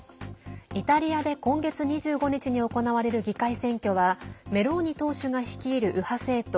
イタリアで今月２５日に行われる議会選挙はメローニ党首が率いる右派政党